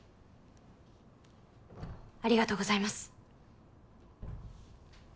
ありがとうございます。